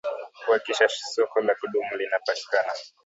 kuhakikisha soko la kudumu linapatikana